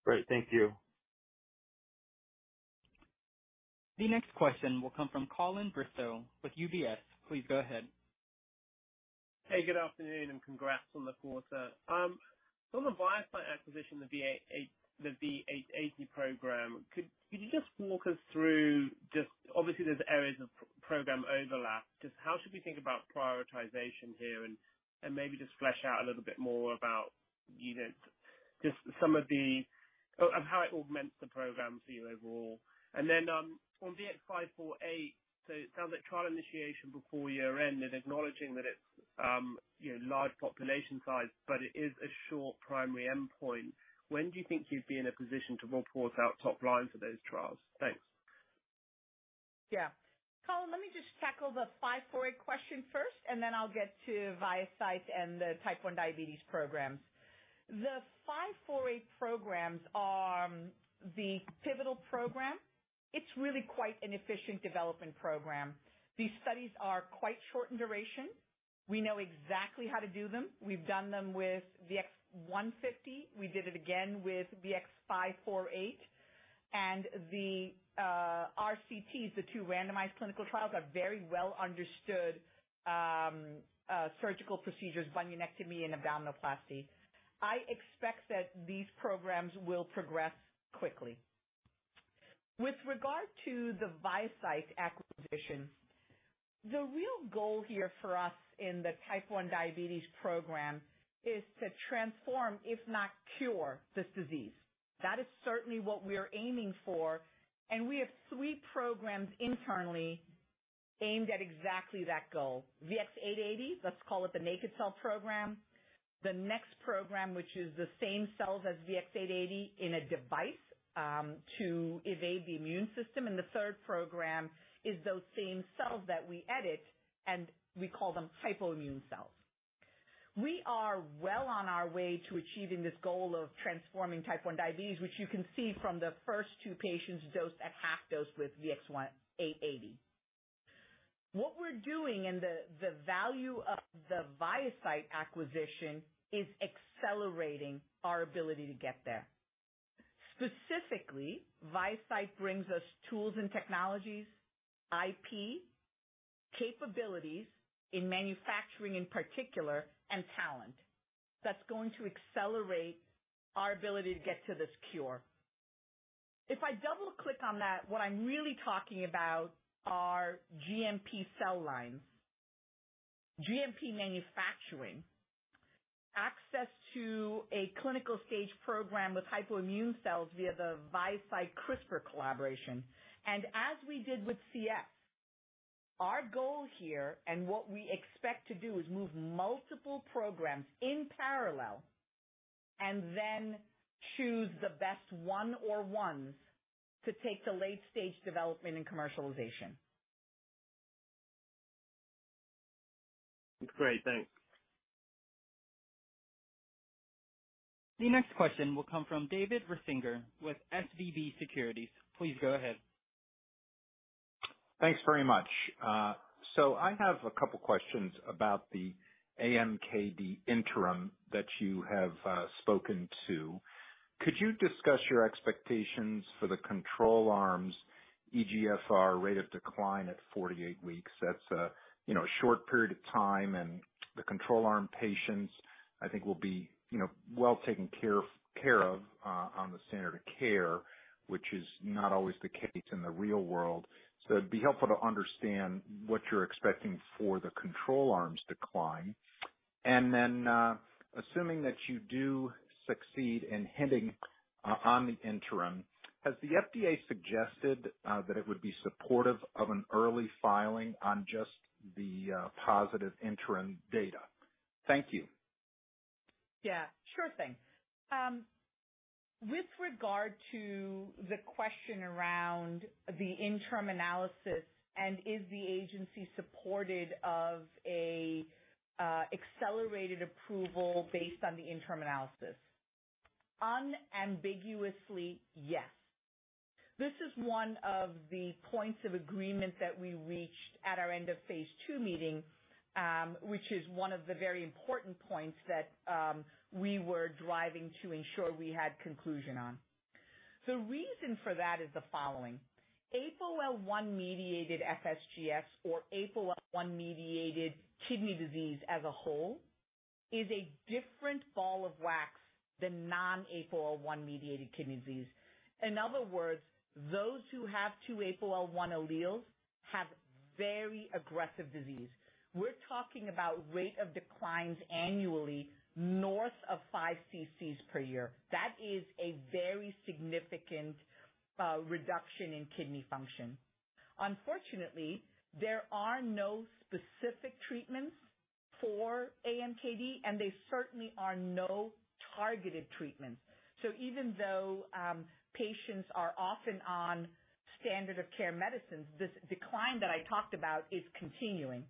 Great. Thank you. The next question will come from Colin Bristow with UBS. Please go ahead. Hey, good afternoon, and congrats on the quarter. On the ViaCyte acquisition, the VX-880 program, could you just walk us through just obviously there's areas of program overlap, just how should we think about prioritization here? Maybe just flesh out a little bit more about either just some of how it augments the program for you overall. On VX-548, it sounds like trial initiation before year-end and acknowledging that it's, you know, large population size, but it is a short primary endpoint. When do you think you'd be in a position to report out top line for those trials? Thanks. Yeah. Colin, let me just tackle the VX-548 question first, and then I'll get to ViaCyte and the Type 1 diabetes program. The VX-548 programs are the pivotal program. It's really quite an efficient development program. These studies are quite short in duration. We know exactly how to do them. We've done them with VX-150. We did it again with VX-548 and the RCTs, the two randomized clinical trials, are very well understood, surgical procedures, bunionectomy and abdominoplasty. I expect that these programs will progress quickly. With regard to the ViaCyte acquisition, the real goal here for us in the Type 1 diabetes program is to transform, if not cure, this disease. That is certainly what we are aiming for, and we have three programs internally aimed at exactly that goal. VX-880, let's call it the naked cell program. The next program, which is the same cells as VX-880 in a device, to evade the immune system. The third program is those same cells that we edit, and we call them hypoimmune cells. We are well on our way to achieving this goal of transforming Type 1 diabetes, which you can see from the first two patients dosed at half dose with VX-880. What we're doing, and the value of the ViaCyte acquisition, is accelerating our ability to get there. Specifically, ViaCyte brings us tools and technologies, IP, capabilities in manufacturing in particular, and talent that's going to accelerate our ability to get to this cure. If I double-click on that, what I'm really talking about are GMP cell lines, GMP manufacturing, access to a clinical stage program with hypoimmune cells via the ViaCyte-CRISPR collaboration. As we did with CF, our goal here, and what we expect to do, is move multiple programs in parallel and then choose the best one or ones to take to late-stage development and commercialization. That's great. Thanks. The next question will come from David Risinger with SVB Securities. Please go ahead. Thanks very much. I have a couple questions about the AMKD interim that you have spoken to. Could you discuss your expectations for the control arm's eGFR rate of decline at 48 weeks? That's a you know short period of time, and the control arm patients, I think, will be you know well taken care of on the standard of care, which is not always the case in the real world. It'd be helpful to understand what you're expecting for the control arm's decline. Assuming that you do succeed in hitting on the interim, has the FDA suggested that it would be supportive of an early filing on just the positive interim data? Thank you. Yeah, sure thing. With regard to the question around the interim analysis and is the agency supportive of a accelerated approval based on the interim analysis? Unambiguously, yes. This is one of the points of agreement that we reached at our end of Phase 2 meeting, which is one of the very important points that we were driving to ensure we had conclusion on. The reason for that is the following. APOL1-mediated FSGS or APOL1-mediated kidney disease as a whole is a different ball of wax than non-APOL1-mediated kidney disease. In other words, those who have two APOL1 alleles have very aggressive disease. We're talking about rate of declines annually north of 5 cc's per year. That is a very significant reduction in kidney function. Unfortunately, there are no specific treatments for AMKD, and there certainly are no targeted treatments. Even though patients are often on standard of care medicines, this decline that I talked about is continuing.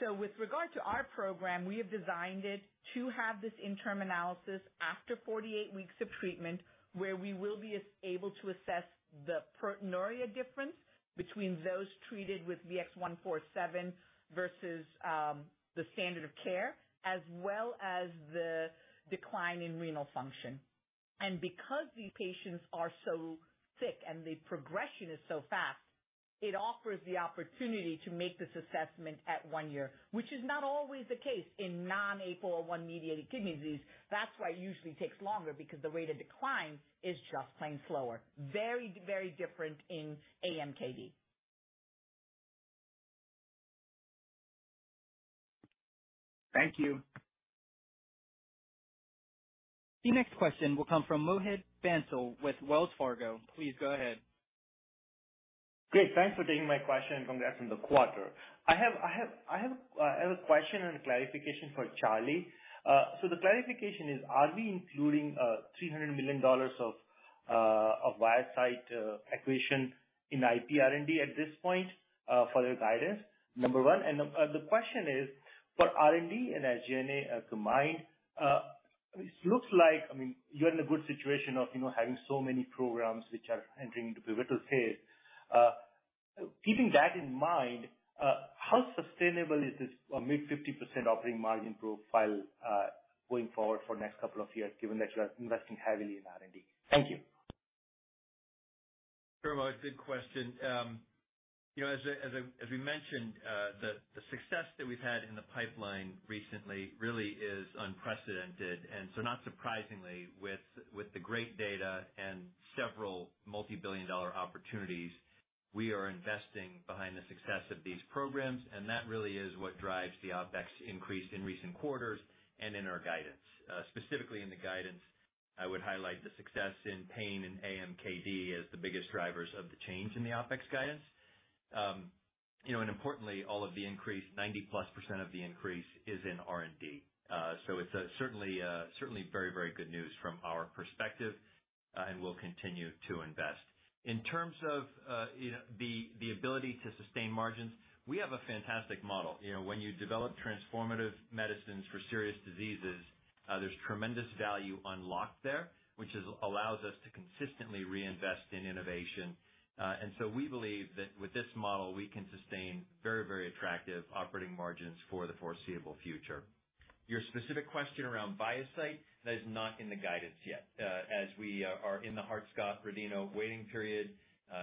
With regard to our program, we have designed it to have this interim analysis after 48 weeks of treatment, where we will be able to assess the proteinuria difference between those treated with VX-147 versus the standard of care, as well as the decline in renal function. Because these patients are so sick and the progression is so fast, it offers the opportunity to make this assessment at one year, which is not always the case in non-APOL1-mediated kidney disease. That's why it usually takes longer, because the rate of decline is just plain slower. Very, very different in AMKD. Thank you. The next question will come from Mohit Bansal with Wells Fargo. Please go ahead. Great. Thanks for taking my question, and congrats on the quarter. I have a question and a clarification for Charlie. So the clarification is, are we including $300 million of ViaCyte acquisition in IP R&D at this point for the guidance? Number one, and the question is, for R&D and SG&A combined. It looks like, I mean, you're in a good situation of, you know, having so many programs which are entering into pivotal phase. Keeping that in mind, how sustainable is this mid-50% operating margin profile going forward for next couple of years, given that you are investing heavily in R&D? Thank you. Sure, Mohit, good question. You know, as we mentioned, the success that we've had in the pipeline recently really is unprecedented. Not surprisingly, with the great data and several multi-billion-dollar opportunities, we are investing behind the success of these programs, and that really is what drives the OpEx increase in recent quarters and in our guidance. Specifically in the guidance, I would highlight the success in pain and AMKD as the biggest drivers of the change in the OpEx guidance. Importantly, all of the increase, 90+% of the increase is in R&D. It's certainly very good news from our perspective, and we'll continue to invest. In terms of the ability to sustain margins, we have a fantastic model. You know, when you develop transformative medicines for serious diseases, there's tremendous value unlocked there, which is allows us to consistently reinvest in innovation. We believe that with this model, we can sustain very, very attractive operating margins for the foreseeable future. Your specific question around ViaCyte, that is not in the guidance yet. As we are in the Hart-Scott-Rodino waiting period,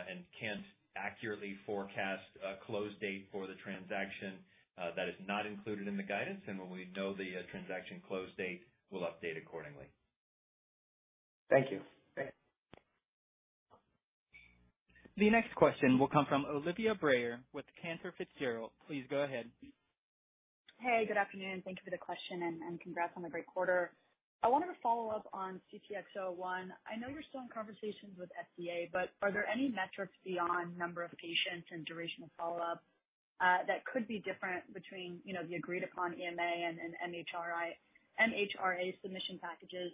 and can't accurately forecast a close date for the transaction, that is not included in the guidance. When we know the transaction close date, we'll update accordingly. Thank you. Great. The next question will come from Olivia Brayer with Cantor Fitzgerald. Please go ahead. Hey, good afternoon. Thank you for the question, and congrats on the great quarter. I wanted to follow up on CTX001. I know you're still in conversations with FDA, but are there any metrics beyond number of patients and duration of follow-up that could be different between, you know, the agreed upon EMA and MHRA submission packages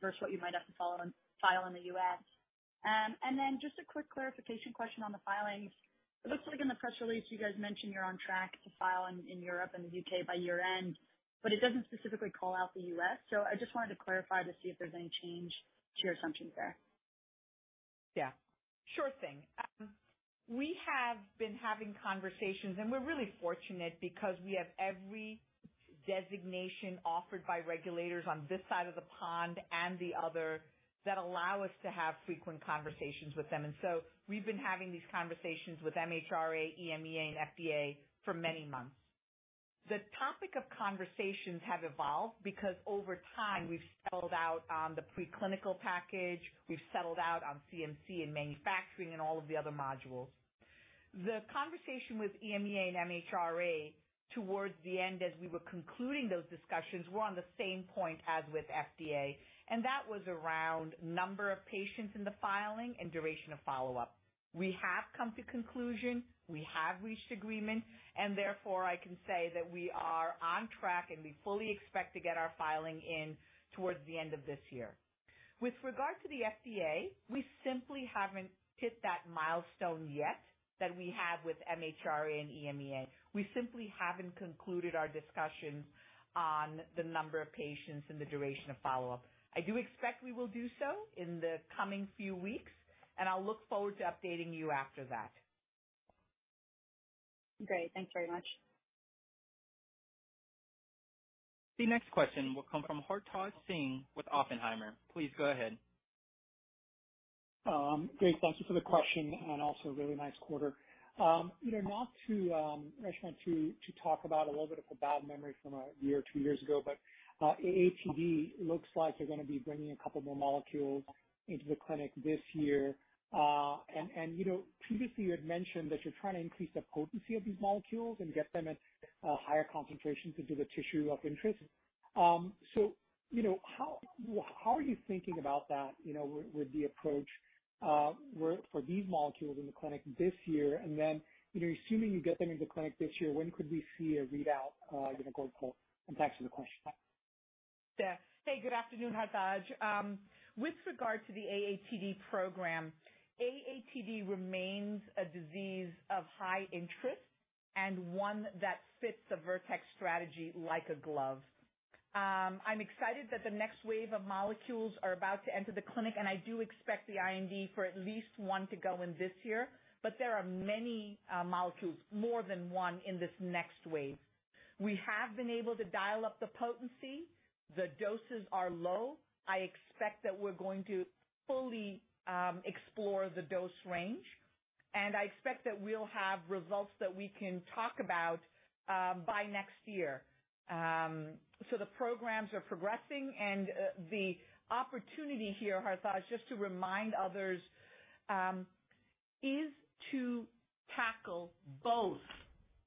versus what you might have to file in the U.S.? Then just a quick clarification question on the filings. It looks like in the press release you guys mentioned you're on track to file in Europe and the U.K. by year-end, but it doesn't specifically call out the U.S. I just wanted to clarify to see if there's any change to your assumptions there. Yeah, sure thing. We have been having conversations, and we're really fortunate because we have every designation offered by regulators on this side of the pond and the other that allow us to have frequent conversations with them. We've been having these conversations with MHRA, EMA, and FDA for many months. The topic of conversations have evolved because over time, we've settled out on the preclinical package, we've settled out on CMC and manufacturing and all of the other modules. The conversation with EMA and MHRA towards the end, as we were concluding those discussions, were on the same point as with FDA, and that was around number of patients in the filing and duration of follow-up. We have come to conclusion, we have reached agreement, and therefore I can say that we are on track, and we fully expect to get our filing in towards the end of this year. With regard to the FDA, we simply haven't hit that milestone yet that we have with MHRA and EMA. We simply haven't concluded our discussions on the number of patients and the duration of follow-up. I do expect we will do so in the coming few weeks, and I'll look forward to updating you after that. Great. Thanks very much. The next question will come from Hartaj Singh with Oppenheimer. Please go ahead. Great. Thank you for the question and also really nice quarter. You know, not to, Reshma, to talk about a little bit of a bad memory from a year or two years ago, but AATD looks like you're gonna be bringing a couple more molecules into the clinic this year. You know, previously you had mentioned that you're trying to increase the potency of these molecules and get them at higher concentrations into the tissue of interest. You know, how are you thinking about that, you know, with the approach for these molecules in the clinic this year? You know, assuming you get them into clinic this year, when could we see a readout in a clinical? Thanks for the question. Yeah. Hey, good afternoon, Hartaj. With regard to the AATD program, AATD remains a disease of high interest and one that fits the Vertex strategy like a glove. I'm excited that the next wave of molecules are about to enter the clinic, and I do expect the IND for at least one to go in this year, but there are many molecules, more than one in this next wave. We have been able to dial up the potency. The doses are low. I expect that we're going to fully explore the dose range, and I expect that we'll have results that we can talk about by next year. The programs are progressing, and the opportunity here, Hartaj, just to remind others, is to tackle both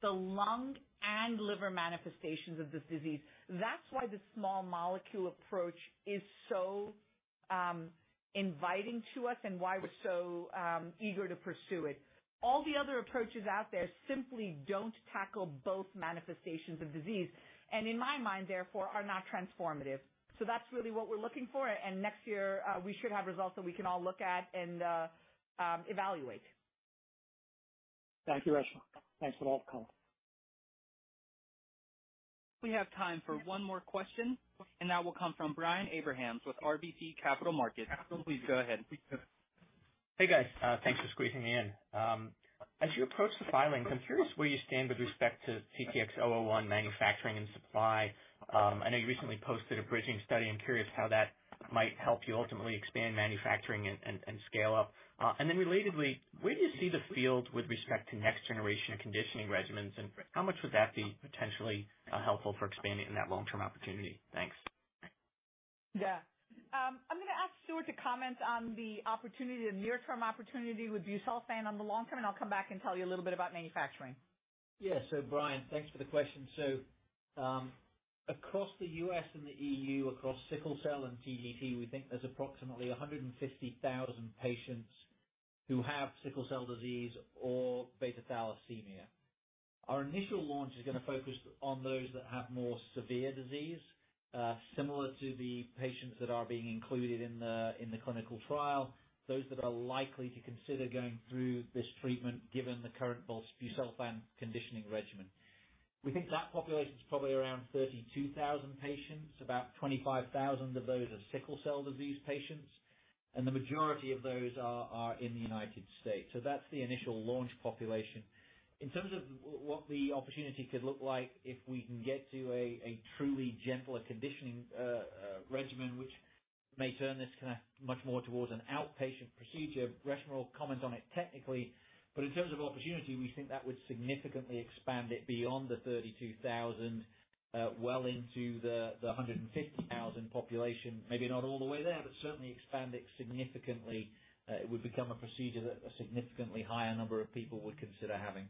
the lung and liver manifestations of this disease. That's why the small molecule approach is so inviting to us and why we're so eager to pursue it. All the other approaches out there simply don't tackle both manifestations of disease, and in my mind, therefore are not transformative. That's really what we're looking for. Next year, we should have results that we can all look at and evaluate. Thank you, Reshma. Thanks for all the call. We have time for one more question, and that will come from Brian Abrahams with RBC Capital Markets. Please go ahead. Hey, guys. Thanks for squeezing me in. As you approach the filing, I'm curious where you stand with respect to CTX001 manufacturing and supply. I know you recently posted a bridging study. I'm curious how that might help you ultimately expand manufacturing and scale up. Relatedly, where do you see the field with respect to next generation conditioning regimens, and how much would that be potentially helpful for expanding in that long-term opportunity? Thanks. Yeah. I'm gonna ask Stuart to comment on the opportunity, the near-term opportunity with busulfan on the long term, and I'll come back and tell you a little bit about manufacturing. Yeah. Brian, thanks for the question. Across the U.S. and the E.U., across sickle cell and TDT, we think there's approximately 150,000 patients who have sickle cell disease or beta thalassemia. Our initial launch is gonna focus on those that have more severe disease, similar to the patients that are being included in the clinical trial, those that are likely to consider going through this treatment given the current busulfan conditioning regimen. We think that population is probably around 32,000 patients. About 25,000 of those are sickle cell disease patients, and the majority of those are in the United States. That's the initial launch population. In terms of what the opportunity could look like if we can get to a truly gentler conditioning regimen, which may turn this kinda much more towards an outpatient procedure, Reshma will comment on it technically, but in terms of opportunity, we think that would significantly expand it beyond the 32,000 well into the 150,000 population. Maybe not all the way there, but certainly expand it significantly. It would become a procedure that a significantly higher number of people would consider having.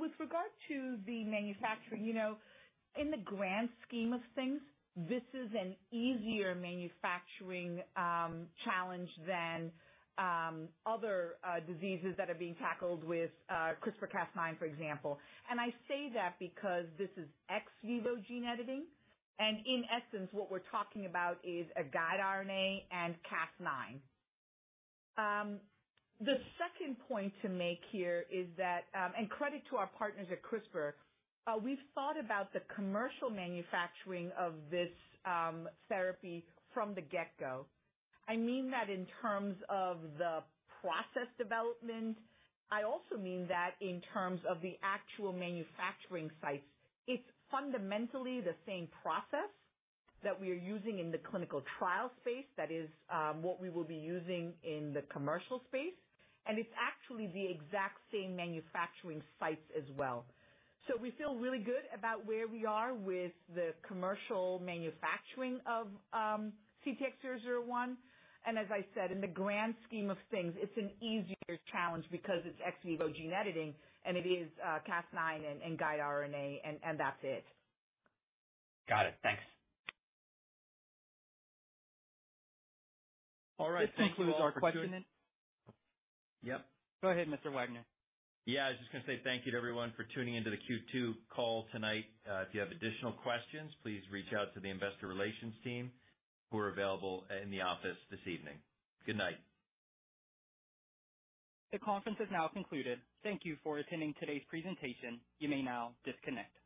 With regard to the manufacturing, you know, in the grand scheme of things, this is an easier manufacturing challenge than other diseases that are being tackled with CRISPR-Cas9, for example. I say that because this is ex vivo gene editing, and in essence, what we're talking about is a guide RNA and Cas9. The second point to make here is that, and credit to our partners at CRISPR, we've thought about the commercial manufacturing of this therapy from the get-go. I mean that in terms of the process development. I also mean that in terms of the actual manufacturing sites. It's fundamentally the same process that we are using in the clinical trial space that is what we will be using in the commercial space, and it's actually the exact same manufacturing sites as well. We feel really good about where we are with the commercial manufacturing of CTX001, and as I said, in the grand scheme of things, it's an easier challenge because it's ex vivo gene editing, and it is Cas9 and guide RNA, and that's it. Got it. Thanks. All right. Thank you to all. This concludes our question and - yep. Go ahead, Mr Wagner. Yeah, I was just gonna say thank you to everyone for tuning in to the Q2 call tonight. If you have additional questions, please reach out to the investor relations team who are available in the office this evening. Good night. The conference is now concluded. Thank you for attending today's presentation. You may now disconnect.